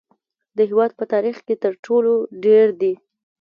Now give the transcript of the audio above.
د هیواد په تاریخ کې تر ټولو ډیر دي